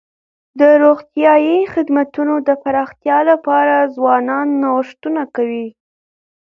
د روغتیايي خدمتونو د پراختیا لپاره ځوانان نوښتونه کوي.